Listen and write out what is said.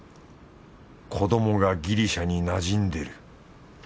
子どもがギリシャになじんでる